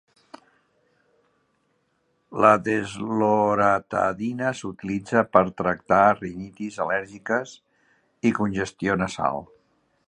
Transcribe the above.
La desloratadina s'utilitza per tractar rinitis al·lèrgiques i congestió nasal.